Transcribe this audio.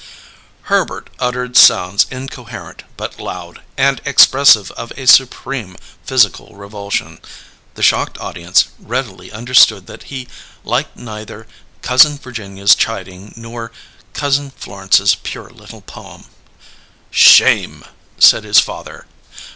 Herbert uttered sounds incoherent but loud, and expressive of a supreme physical revulsion. The shocked audience readily understood that he liked neither Cousin Virginia's chiding nor Cousin Florence's pure little poem. "Shame!" said his father.